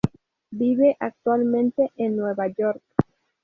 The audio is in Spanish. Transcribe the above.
Vive actualmente en Nueva York.